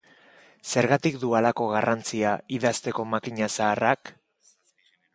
Zergatik du halako garrantzia idazteko makina zaharrak?